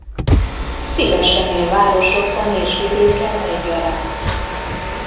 Szívesen él városokban és vidéken egyaránt.